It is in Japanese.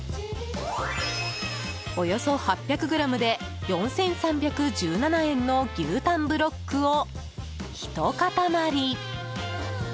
およそ８００ｇで４３１７円の牛タンブロックを、ひと塊。